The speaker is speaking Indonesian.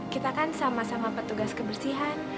kita kan sama sama petugas kebersihan